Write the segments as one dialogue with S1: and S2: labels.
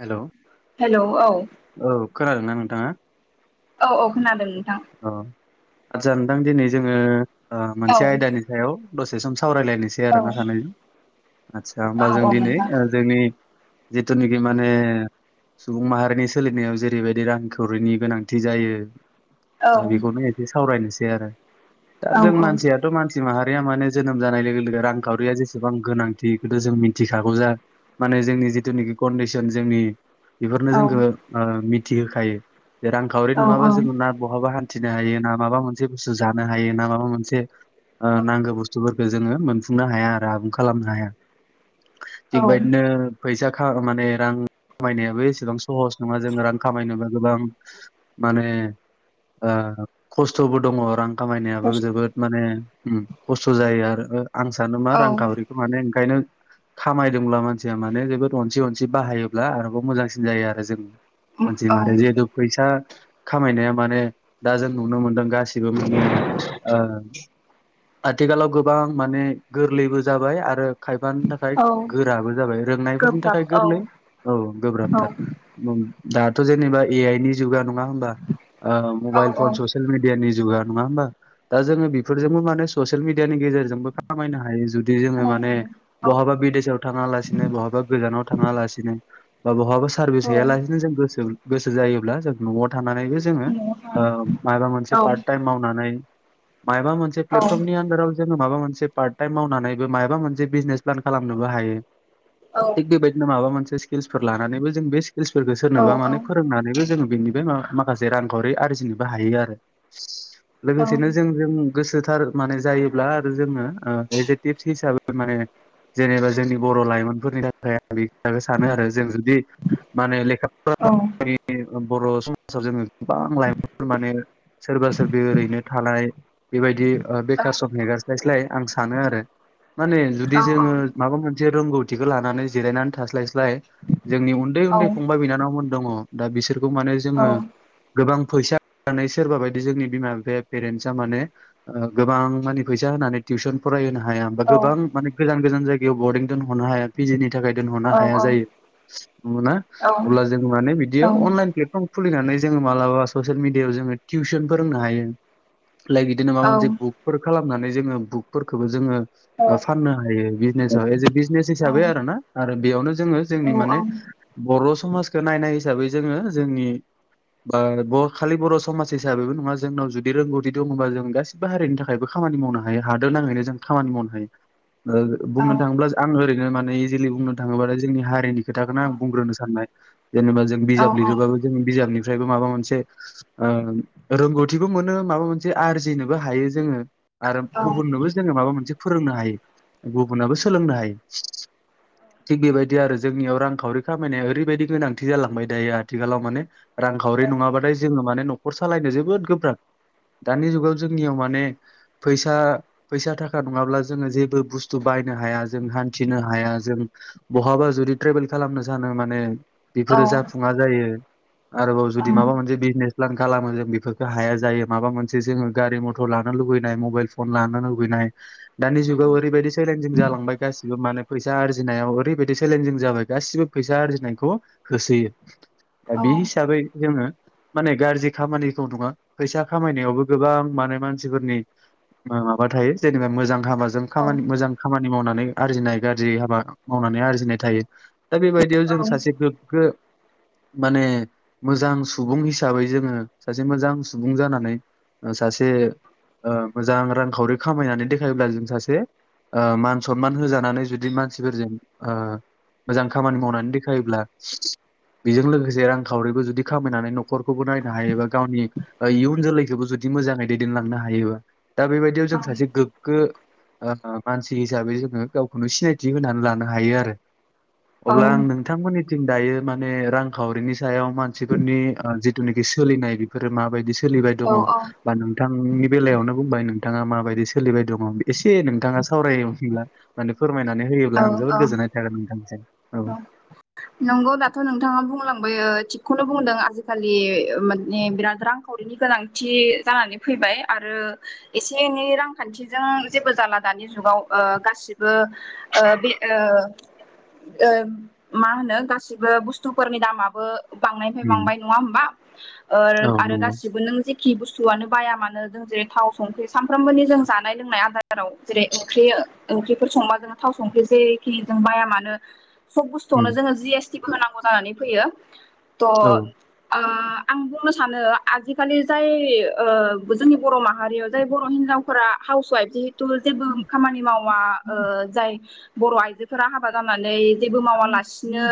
S1: हेल'।
S2: Hello औ।
S1: खोनादों ना नोंथाङा?
S2: औ औ खोनादों।
S1: औ आदसा नोंथां दिनै जोङो ओ
S2: औ
S1: मोनसे आयदानि सायाव दसे सम सावरायलायनोसै
S2: औ
S1: आरोना सानैजों आदसा होमबा
S2: औ
S1: जों
S2: औ
S1: दिनै
S2: नोंथां
S1: ओ जोंनि जिथुनिखि माने सुबुं माहारिनि सोलिनायाव जेरैबायदि रांखावरिनि गोनांथि जायो।
S2: औ
S1: दा बेखौनो एसे सावरायनोसै आरो दा
S2: औ
S1: जों मानसियाथ' मानसि माहा रिया माने जोनोम जानाय लोगो लोगो रांखावरिया जेसेबां गोनांथिखौथ' जों मिथिखागौ जा माने जोंनि जिथुनाखि कन्दिसन जोंनि बेफोरनो
S2: औ
S1: जोंखो ओ मिथिहोखायो जे रांखावरि नङाबा जोङो ना बा हान्थिनो हायो ना माबा मोनसे बुस्थु जानो हायो ना माबा मोनसे ओ नांगौ बुस्थु जोङो मोनफुंनो हाया आरो आबुं खालामनो हाया
S2: औ
S1: बेबादिनो फैसाख खो माने रां खामायनायाबो एसेबां सहस नङा जों रां खामायनोबा गोबां माने खस्थ'बो दङ आरो खामायनायाबो जोबोद माने खस्थ' जायो आरो आं सानो मा
S2: औ
S1: रांखावरिखौ माने ओंखायनो खामायदोंब्ला मानसिया माने जोबोद अनसि अनसि बाहायोब्ला आरोबाव मोजांसिन जायो आरो जों मानसि
S2: औ
S1: माहारिया जिहेथु फैसा खामायनाय माने दा जों नुनो मोनदों गासिबो माने आथिखालाव गोबां माने गोरलैबो जाबाय आरो खायफानि थाखाय
S2: औ
S1: गोराबो जाबाय रोंनायफोरनि
S2: गोब्राब
S1: थाखाय
S2: औ
S1: गोरलै औ
S2: औ
S1: गोब्राबथार दाथ' जेनेबा ए आइ नि जुगा नङा होमबा
S2: औ
S1: मबाइल
S2: औ
S1: फन ससियेल मिडिया नि जुगा नङा होमबा दा जोङो बेफोरजोंबो माने ससियेल मिडियानि गेजेरजोंबो खामायनो हायो जुदि बि जोङो
S2: खानाय औ
S1: माने बहाबा बिदेशाव थाङा लासिनो बहाबा गोजानाव थाङा लासिनो बा बहाबा सारभिस हैयालासिनो जों गोसोम गोसो जायोब्ला जों न'आव थानानैबो जोङो माबा मोनसे पार्ट टाइम मावनानै मायबा मोनसे प्लेफर्मनि आन्दाराव ज माबा मोनसे पार्ट टाइम मावनानैबो मायाबा मोनसे बिजनेस प्लान खालामनोबो हायो थिग बेबायदिनो माबा मोनसे स्किल्सफोर लानानैबो जों बे सोरनोबा माने फोरोंनानैबो जोङो बेनि माखासे रांखावरि आरजिनोबो हायो आरो लोगोसेनो जों जों गोसोथार माने जायोब्ला आरो जोङो एज ए टिपस हिसाबै माने जेनेबा जोंनि बर' लाइमोनफोरनि थाखाय हिसाबै सानो आरो जों जुदि माने लेखानि बर' समाजाव जोङो गोबां लाइमोनफोर माने सोरबा सोरब ओरैनो थानाय बेबायदि बेखार सक नेगारस्लायस्लाय आं सानो आरो माने जुदि जोङो माबा मोनसे रोंगौथि लानानै जिरायनानै थास्लाय स्लाय जोंनि उन्दै उन्दै फंबाय बिनानावमोन दङ दा बिसोर खौ माने जोङो गोबां फैसा जानाय सोरबा बायदि जोंनि बिमा बिफाया पेरेन्टस माने गोबां मानि फैसा होनानै टिउसन फरायहो हाया हा गोबां माने गोजान गोजान जायगायाव बरदिं दोनहरनो हाया दोनरनो हाया जायो ना अब्ला जों माने बिदियाव अनलाइन प्लेटफर्म खुलिनानै जोङो मालाबा ससियेल मिडियायाव जोङो टिउसन फोरोंनो हायो लाइक बिदिनो माबा मोनसे बुकफोर खालामनानै जोङो बुकफोरखौबो जोङो फाननो हायो बिजनेसाव एस ए बिजनेस हिसाबै आरो ना आरो बेयावनो जोङो जोंनि माने बर' समाजखौ नायनाय हिसाबै जोङो जोंनि बा खालि बर' समाज हिसाबैबो नङा जोंनाव जुदि रोंगौथि दङबा जों गासिबो हारिनि थाखाय खामानि मावनो हायो हाद नाङैनो जों खामानि मावनो हायो बुंनो थाङोब्लाो आं ओरैनो माने इजिलि बुंनो थाङोब्लाथाय जोंनि हारिनि खोथाखौनो आं
S2: औ
S1: बुंग्रोनो सानबाय जेनेबा जों
S2: औ
S1: बिजाब
S2: औ
S1: लिरोबाबो जों बिजाबनिफ्रायबो माबा मोनसे रोंगौथिबो मोनो माबा मोनसे आरजिनोबो हायो जोङो आरो
S2: औ
S1: गुबुननोबो जोङो माबा मोनसे फोरोंनो हायो गुबुनाबो सोलोंनो हायो थिग बेबायदि आरो जोंनियाव रांखावरि खामायनाया ओरैबायदि गोनांथि जालांबाय दायो आथिखालाव माने रांखावरि नङाबाथाय जोङो माने न'खर सालायनो जोबोद गोब्राब दानि जुगाव जोंनियाव माने फैसा फैसा थाखा नङाब्ला जोङो जेबो बुस्थु बाय हाया जों हान्थिनो हाया जों बहाबा जुदि ट्रेभेल खालामनो सानो माने बेफोरो जाफुङा जायो आरोबाव जुदि माबा मोनसे बिजनेस खालामो जों बेफोरखौ हाया जायो माबा मोनसे जोङो गारि मथर लानो लुबैनाय मबाइल फन लानो लुबैनाय दानि जुगाव ओरैबायदि सेलेनजिं जालांबाय गासिबो माने फैसा आर्जिनायावल ओरैबायदि चेलेनजिं जाबाय गासिबो फैसा आरजिनायखौ होसोयो दा बे हिसाबै [unintelligible] माने गाज्रि खामानिखौ नङा फैसा खामायनायावबो गोबां माने मानसिफोरनि माबा थायो जेनेबा मोजां हाबाजों खामानि मोजां खामानि मावनानै आरजिनाय गाज्रि हाबा मावनानै आरजिनाय थायो दा बेबायदियाव जों सासे गोग्गो माने मोजां सुबुं हिसाबै जोङो सासे मोजां सुबुं जानानै जों सासे मोजां रांखावरि खामायनानै देखायोब्ला जों सासे मान सनमान होजानानै जुदि मानसिफोरजों ओ मोजां खामानि मावनानै देखायोब्ला बेजों लोगोसे रां खावरिबो जुदि खामायनानै नखरखौबो नायनो हायो एा गावनि इयुन जोलैखौबो जुदि मोजाङै दैदेनलांनो हायो [unintelligible] दा बेबायदियाव जों सासे गोगो मानसि हिसाबै जोङो गावखौनो सिनायथि होनानै लानो हायो आरो अब्ला आं
S2: औ
S1: नोंथांमोननिथिं दायो माने रांखावरिनि सायाव मानसिफोरनि जिथुनाखि सोलिनाय बेफोरो माब बायदि सोलिबाय दङ
S2: औ
S1: बा नोंथांनि बेलायावनो बुंबाय नों नोंथाङा माबायदि सोलिबाय दङ एसे नोंथाङा सावरायब्ला माने खमायनानै होयोब्ला आं जोबोद गोजोननाय थारोन नोंथांसिम
S2: अ नंगौ दाथ' नोंथाङा बुंलांबाय थिगखौनो बुंदों आजिखालि माने बिराद रांखावरिनि गोनांथि जानानै फैबाय आरो आरो एसे एनै रांखान्थिजों जेबो जाला दानि जुगाव गासिबो बे ओ ओ मा होनो गासिबो बुस्थुफोरनि दामाबो बांनायनिफ्राय
S1: उम
S2: बांबाय नङा होमबा
S1: औ
S2: आरो
S1: नंगौ
S2: गासिबो नों खि बुस्थुआनो बाया मानो जों जेरै थाव संख्रि सानफ्रामबोनि जों जानाय लोंनाय आदाराव जेरै ओंख्रि ओंख्रिफोर संबा जोङो थाव संख्रि जेखि जों बाया मानो सब बुस्थुआवनो
S1: उम
S2: जोङो जि एसटिबो होनांगौ जानानै फैयो ट'
S1: औ
S2: आं बुंनो सानो आजिखालि जाय जोंनि बर' माहारियाव जाय बर' हिनजावफोरा हाउस वाइफ जि थ जेबो खामानि मावा जाय बर' आइजोफोरा हाबा जानानै जबो मावा लासिनो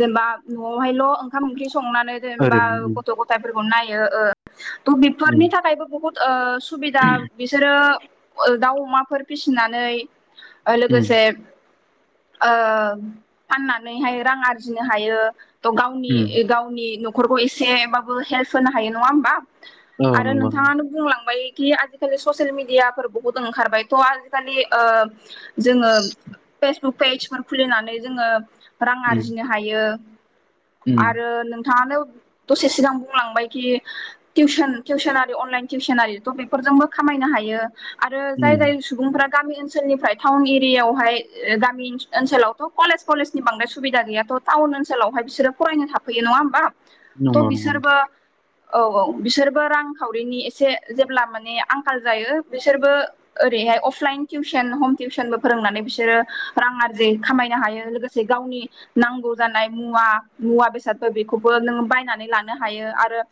S2: जेनेबा न'हायल' ओंखाम ओं संनानै जेनबा
S1: ओरैनो
S2: गथ' गथाय फोरखौ नायो बेफोरनि
S1: उम
S2: थाखाय बो‌ सुबिदा बिसोरो दाउ अमाफोर फिसिनानै
S1: उम उम
S2: लोगोसे ओ फाननानैहाय रां आरजिनो हायो थ गावनि
S1: उम
S2: गावनि न'खरखौ एसेबाबो हेल्प होनो हायो नङा होमबा
S1: औ
S2: आरो
S1: नंगौ नंगौ
S2: नोंथाङानो बुंलांबाय कि आजिखालि ससेल मिडियाफोर बहुत ओंखारबाय थ' आजिखालि ओ‌ जोङो फेसबुक पेजफोर खुलिनानै जोङो रां
S1: उम
S2: आरजिनो हायो
S1: उम
S2: आरो नोंथाङानो दसे सिगां बुंलांबायखि टिउसन टिउसन आ अनलायेन टिवसनारि ट बेफोरजोंबो खामायनो हायो आरो जाय
S1: उम
S2: जाय सुबुं गामि ओनसोलनिफ्राय टाउन एरियायावहाय गामि ओनसोलावथ' कलेज कलेजनि बांद्राय सुबिदा गैयाथ टाउन ओनसोलावहाय बिसोरो फरायनो थफै नङा होमबा ट'
S1: नंगौ नंगौ नोंथां
S2: बिसोरबो औ औ बिसोरबो रांखावरिनि एसे जेब्ला माने आंखाल जायो बिसोरबो ओरै हाय अफलाइन टिउसन हम टिउसनबो फोरोंनानै बिसोरो रां आरजि खामायनो हायो लोगोसे गावनि नांगौ जानाय मुवा मुवा बेसादफोर खौबो नों बायनानै लानो हायो आरो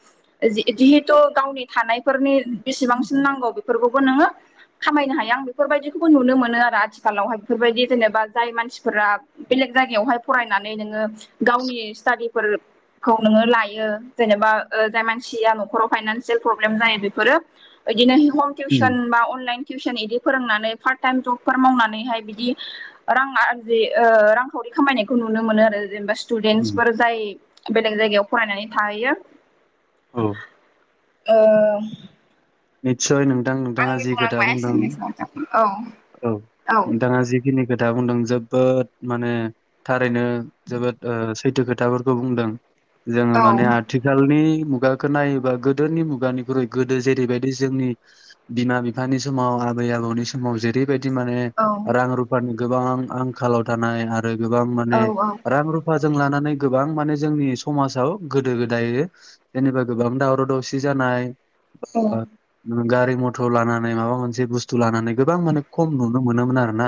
S2: जिहेथु गावनि थानाय फोरनि बिसिबांसिन नांगौ फोरफोरखौबो नोङो खामायनो हायो आं बेफोरबायदिखौबो नुनो मोनो आरो आथिखालावहाय बेफोरबायदि जेनेबा जाय मानसिफोरा बेलेग जायगायावहाय फरायनानै नोङो गावनि स्टाडि फोर खौ नोङो लायो जेनेबा जाय मानसिया न'खराव फाइनानसियेल प्रब्लेम जायो बेफोरो बिदिनो हम
S1: उम
S2: टिउसन बा अनलाइन टिउसन बिदि फोरोंनानै पार्ट टाइम जबफोर मावनानैहाय बिदि रां आरजि ओ रांखावरि खामायनायखौ नुनो मोनो आरो जेनेबा
S1: उम
S2: स्टुडेन्टसफोर जाय बेलेग जायगायाव फरायनानै थाहैयो
S1: औ
S2: ओ
S1: निस्सय नोंथां नोंथांङा
S2: आंनि
S1: जि खोथा
S2: बुंनांगौआ
S1: बुंदों
S2: एसेनोसै नोंथां। औ
S1: औ नोंथांङा जिखिनि खोथा बुंदों जोबोद ओ माने थारैनो जोबोद सैथो खोथाफोरखौ बुंदों जोंङो
S2: औ
S1: माने आथिखालनि मुगाखौ नायोबा गोदोनि मुगानिख्रुइ गोदो जेरैबायदि जोंनि बिमा बिफानि समाव आबै आबौनि समाव जेरैबायदि माने
S2: औ
S1: रां रुफानि गोबां आंखालाव थानाय आरो गोबां माने
S2: औ
S1: रां रुफा जों लानानै गोबां माने जोंनि समाजाव गोदो गोदायै जेनेबा गोबां दाव दावसि जा नाय
S2: औ
S1: गारि मथर लानानै माबा मोनसे बुसथु लानानै गोबां माने खम नुनो मोनोमोन आरो ना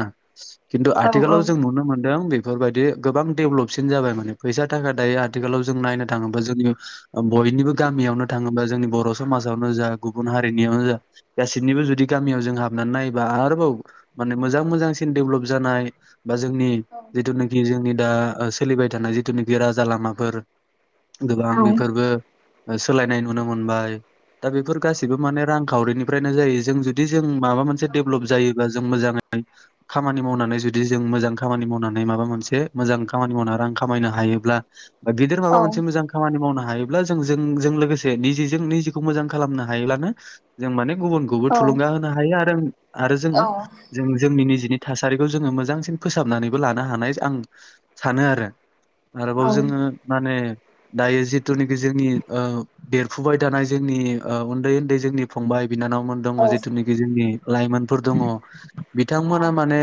S1: खिन्थु
S2: औ
S1: आथिखालाव जों नुनो मोनदों बे बेफोरबायदि गोबां दडेभलपसिन जाबाय माने फैसा थाखा दायो आथिखालाव जों नायनो थांङोबा जोंनि बयनिबो गामियावनो थांङोबा जोंनि बर' समाजावनो जा गुबुन हारिनियावनो जा गासिनिबो जुदि गामियाव जों हाबनानै नायोबा आरोबाव माने मोजां मोजांसिन डेबभलप जानाय बा जोंनि जिथुनोखि जोंनि दा ओ सोलिबाय थानाय जिथुनाखि राजा लामाफोर
S2: औ
S1: गोबां बेफोरबो सोलायनाय नुनो मोनबाय दा बेफोर गासिबो माने रांखावरिनिफ्रायनो जायो जों जुदि जों माबा मोनसे डेभलप जायो। बा जों मोजाङै खामानि मावनानै जुदि जों मोजां खामानि मावनानै माबा मोनसे मोजां खामानि माव रां खामायनो हायोब्ला गेदेर माबा मोनसे मोजां खामानि मावनो हा हायोब्ला जों जों जों लोगोसे निजिजों निजिखौ मोजां खालामनो हायोब्लानो जों माने गुबुनखौबो थुलुंगा होनो हायो आरो आरो जोंङो जों जोंनि निजिनि थासारिखौ जोंङो मोजांसिन फोसाबनानैबो लानो हानाय आं सानो आरो आरोबाव जोंङो माने दायो जिथुनाखि जोंनि ओ देरफुबाय थानाय जोंनि उन्दै उन्दै जोंनि फंबाय बिनानावमोन दंङ जिथुनाखि जोंनि लाइमोनफोर दंङ बिथांमोना माने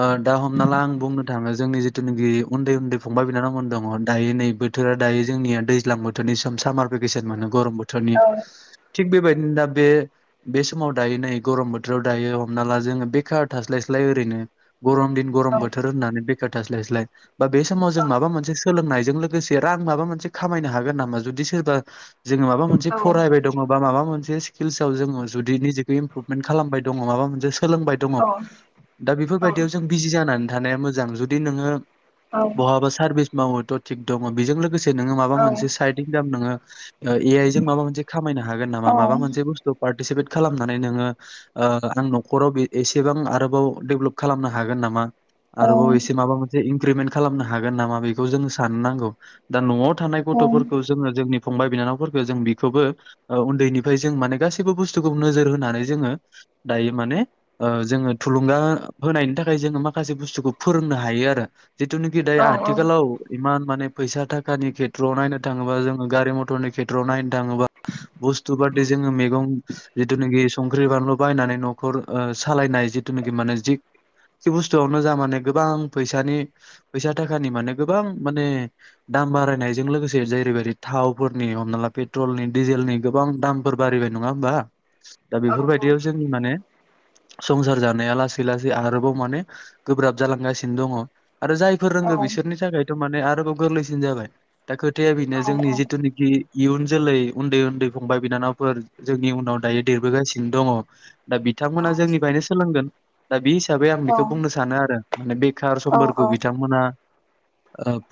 S1: आ दा हमना ला आं बुंनो थांङो जोंनि जिथुनाखि उन्दै उन्दै फंबाय बिनानावमोन दंङ दायो नै बोथोरा दायो जोंनिया दैज्लां बोथोरनि सम सामार भेकेसन मोन गरम बोथोरनि
S2: औ औ
S1: थिग बेबायदिनो दा बे बे समाव दायो नै गरम बोथोराव दायो हमना ला जोंङो बेखार थास्लायस्लाय ओरैनो गरम दिन गरम
S2: औ
S1: बोथोर होननानै बेखार थास्लायस्लाय बा बे समाव
S2: औ
S1: जों माबा मोनसे सोलोंनायजों लोगोसे रां माबा मोनसे खामायनो हागोन नामा जुदि सोरबा जोंङो माबा मोनसे फरायबाय दंङ बा माबा मोनसे स्किलसआव जोंङो जुदि निजिखौ इमप्रुभेन्ट खालामबाय दंङ माबा सोलोंबाय दंङ दा बेफोरबायदियाव जों बिजि जानानै थानाया मोजां जुदि नोंङो बहाबा सार्भिस मावोथ थिग दंङ बेजों लोगोसे नों माबा मोनसे साइद इनकाम एआय जों माबा मोनसे खामायनो हागोन नामा माबा मोनसे पारतिसिपेत खालामनानै नोंङो ओ आं नखराव एसेबां आरोबाव डेभलप खालामनो हागोन नामा आरोबाव एसे माबा मोनसे इनक्रिमेन्ट खालामनो हागोन नामा बेखौ जों सान नांगौ दा नआव थानाय गथ'फोरखौ जोंङो जोंनि फंबाय बिनानावफोरखौ जों बेखौबो औ उन्दैनिफ्राय जों माने गाससिबो बुस्थुखौ नोजोर होनानै जोंङो दायो माने जोंङो थुलुंगा होनायनि थाखाय जोंङो माखासे बुस्थुखौ फोरोंनो हायो आरो जिथु नोखि
S2: औ
S1: दायो आथिखालाव इमान माने फैसा थाखानि खेथ्रआव नायनो थांङोबा जोंङो गारि मथरनि खेथ्रआव नायनो थांङोबा बुस्थु बा मैगं जिथुनोखि संख्रि बानलु बायनानै न' खर सालायनाय जिथुनाखि माने जि जेखि बुस्थुआवनो जा माने गोबां फैसानि फैसा थाखानि माने गोबां माने दाम बारायनायजों लोगोसे जेरैबायदि थावफोरनि हमना ला पेट्रलनि डिजेलनि गोबां दामफोर बारायबाय नङा होमबा दा बेफोरबायदियाव जोंनि माने संसार जानाया लासै-लासै आरोबाव माने गोब्राब जालांगासिनो दङ आरो जायफोर रोंगौ बिसोरनि थाखायथ' माने आरोबाव गोरलैसिन जाबाय दा खोथाया बेनो जोंनि जिथुनाखि इयुन जोलै उन्दै-उन्दै फंबाय बिनानावफोर जोंनि उनाव दायो देरबोगासिनो दङ दा बि बिथांमोना जोंनिफ्रायनो सोलोंगोन दा बे हिसाबै आं बेखौ बुंनो सानो आरो माने बे बेखार समफोरखौ बिथांमोना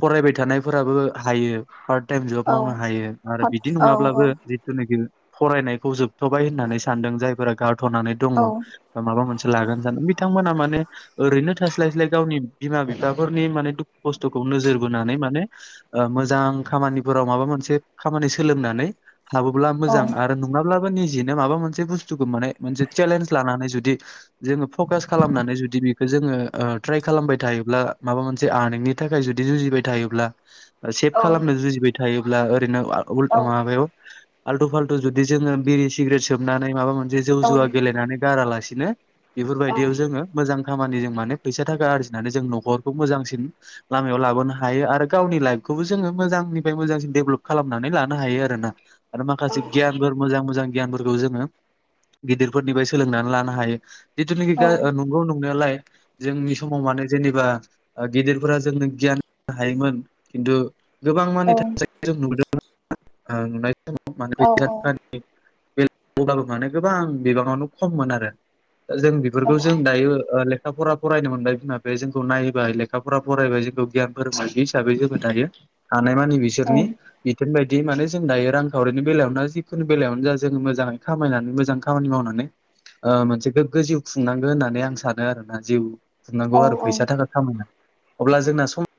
S1: फरायबाय थानायफोराबो हायो पार टाइम जब मावनो हायो आरो बिदि नङाब्लाबो जिथुनाखि फरायनायखौ जोबथ'बाय होननानै सानदों जायफोरा गारथ'नानै दङ माबा मोनसे लागोन सानदों बिथांमोना माने ओरैनो थास्लाय- स्लाय गावनि बिमा-बिफाफोरनि माने दुखु खस्थ'खौ नोजोर बोनानै माने मोजां खामानिफोराव माबा मोनसे खामानि सोलोंनानै हाबोब्ला मोजां आरो नङाब्लाबो निजेनो माबा मोनसे बुस्थुखौ माने मोनसे सेलेन्स लानानै जुदि जोङो फकास खालामनानै जुदि बेखौ जोङो ट्राइ खालामबाय थायोब्ला माबा मोनसे आ नोंनि थाखाय जुदि जुजिबाय थायोब्ला सेभ खालामनो जुजिबाय थायोब्ला ओरैनो नांगौ माबायाव आल्थु-फाल्थु जुदि जोङो बिरि सिग्रेट सोबनानै माबा मोनसे जौ जुवा गेलेनानै गारालासिनो बेफोरबायदियाव जोङो मोजां खामानि जों माने फैसा थाखा आरजिनानै जों न'खरखौ मोजांसिन लामायाव लाबोनो हायो आरो गावनि लाइफखौ खौबो जोङो मोजांनिफ्राय मोजांसिन डेभलप खालामनानै लानो हायो आरोना आरो माखासे गियानफोर मोजां-मोजां गियानफोरखौ जोङो गिदिर फोरनिफ्राय सोलोंनानै लानो हायो जितुनिकि नंगौ नंनायालाय जोंनि समाव माने जेनेबा गिदिरफोरा जोंनो गियान हायोमोन खिनथु गोबां [unintelligible] बे बुंब्लाबो माने गोबां बिबाङावनो खममोन आरो जों बेफोरखौ जों दायोे लेखा-फरा फरायनो मोनबाय बिमा-बिफाया जोंखौ नायबाय लेखाफोरा फरायबाय जोंखौ गियान फोरोंबाय हिसाबै जोङो दायो हानायमानि बिसोरनि
S2: औ
S1: बिथोन बायदि बिदि माने जों दायो रांखावरिनि बेलायावनो जिखुनु बेलायावनो जा जों मोजाङै खामायनानै मोजां खामानि मावनानै मोनसे गोग्गो जिउ खुंनांगौ होननानै आं सानो आरोना जिउ खुंनांगौ आरो
S2: औ
S1: फैसा थाखा खामायनानै अब्ला जोंना सम